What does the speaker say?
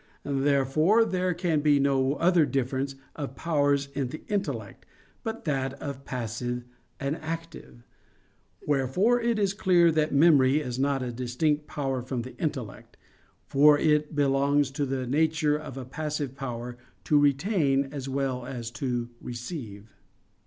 Therefore there can be no other difference of powers in the intellect, but that of passive and active. Wherefore it is clear that memory is not a distinct power from the intellect: for it belongs to the nature of a passive power to retain as well as to receive.